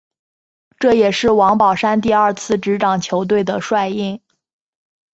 这也是王宝山第二次执掌球队的帅印。